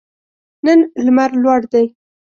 نن لمر لوړ دی